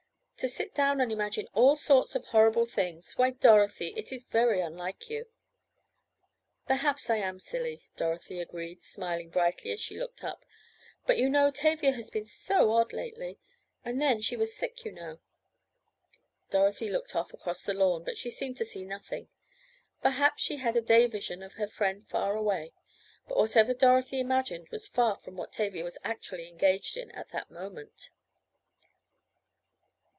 To sit down and imagine all sorts of horrible things—why, Dorothy, it is very unlike you!" "Perhaps I am silly," Dorothy agreed, smiling brightly as she looked up, "but you know Tavia has been so odd lately. And then she was sick, you know." Dorothy looked off across the lawn, but she seemed to see nothing. Perhaps she had a day vision of her friend far away, but whatever Dorothy imagined was far from what Tavia was actually engaged in at that moment.